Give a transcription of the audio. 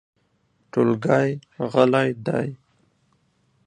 ټولګی غلی دی .